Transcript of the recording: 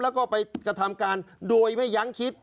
แล้วก็ไปกระทำการโดยไม่ยั้งคิด